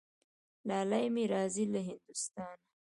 لالی مي راځي له هندوستانه